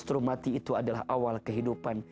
justru mati itu adalah awal kehidupan